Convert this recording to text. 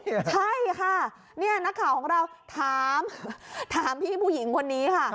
ใช่ค่ะนี่นักข่าวของเราถามพี่ผู้หญิงคนนี้ค่ะ